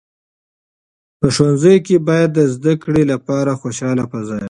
په ښوونځیو کې باید د زده کړې لپاره خوشاله فضا وي.